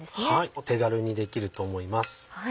お手軽にできると思います。